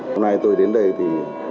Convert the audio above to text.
hôm nay tôi đến đây thì